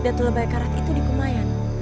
dato' lebay karat itu di kumayan